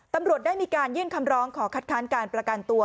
ตำรวจได้มีการยื่นคำร้องขอคัดค้านการประกันตัว